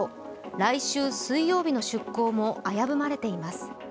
来週水曜日の出港も危ぶまれています。